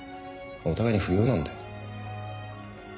お互いに不要なんだよ。